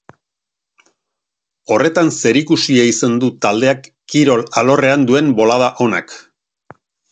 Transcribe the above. Horretan zerikusia izan du taldeak kirol alorrean duen bolada onak.